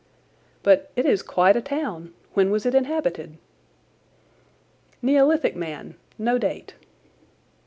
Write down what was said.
"But it is quite a town. When was it inhabited?" "Neolithic man—no date."